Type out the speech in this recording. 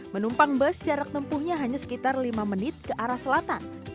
menumpang bus jarak tempuhnya hanya sekitar lima menit ke arah selatan